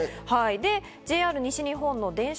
ＪＲ西日本の電車